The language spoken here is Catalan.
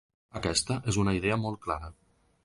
Aquesta és una idea molt clara.